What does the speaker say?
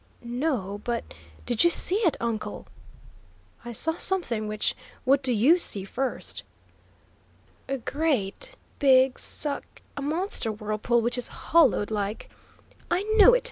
"No, but, did you see it, uncle?" "I saw something which what do YOU see, first?" "A great big suck, a monster whirlpool which is hollowed like " "I knew it!